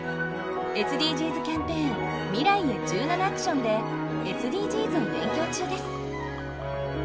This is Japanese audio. ＳＤＧｓキャンペーン「未来へ１７ａｃｔｉｏｎ」でＳＤＧｓを勉強中です。